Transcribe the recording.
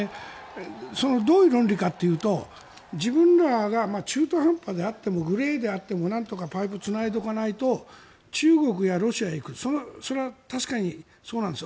どういう論理かというと自分らが中途半端であってもグレーであっても、なんとかパイプをつないでおかないと中国やロシアへ行くそれは確かにそうなんです。